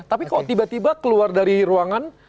tapi kok tiba tiba keluar dari ruangan